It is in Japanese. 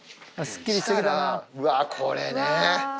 うわ、これね。